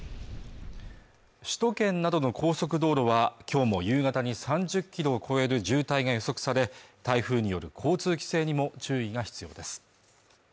首都圏などの高速道路はきょうも夕方に３０ｋｍを超える渋滞が予測され台風による交通規制にも注意が必要です